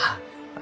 あ